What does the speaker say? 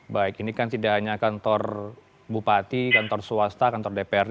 baik ini kan tidak hanya kantor bupati kantor swasta kantor dprd